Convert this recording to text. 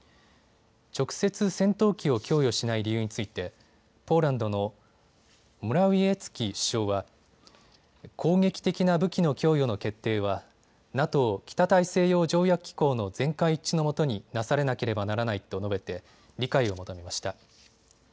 直接、戦闘機を供与しない理由についてポーランドのモラウィエツキ首相は攻撃的な武器の供与の決定はＮＡＴＯ・北大西洋条約機構の全会一致のもとになされなければならないと述べて理解を求めました。